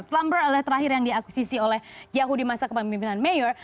tumblr adalah yang terakhir yang diakusisi oleh yahoo di masa kepemimpinan mayor